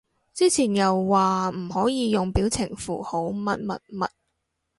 之前又話唔可以用表情符號乜乜乜